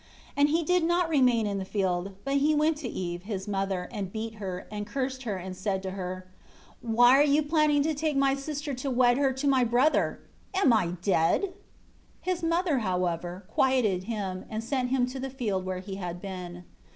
12 And he did not remain in the field, but he went to Eve, his mother, and beat her, and cursed her, and said to her, "Why are you planning to take my sister to wed her to my brother? Am I dead?" 13 His mother, however, quieted him, and sent him to the field where he had been.